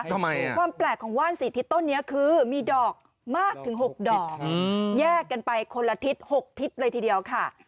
ความแปลกของว่าน๔ทิศต้นนี้คือมีดอกมากถึง๖ดอกแยกกันไปคนละทิศ๖ทิศเลยทีเดียวค่ะ